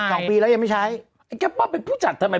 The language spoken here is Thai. เขมีเงินแก๊ปผิดก็ไม่ไหล